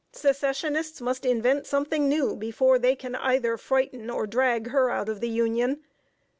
Secessionists must invent something new, before they can either frighten or drag her out of the Union.